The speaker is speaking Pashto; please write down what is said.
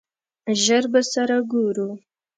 ژر به سره ګورو !